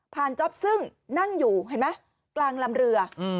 จ๊อปซึ่งนั่งอยู่เห็นไหมกลางลำเรือ